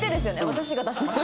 私が出します。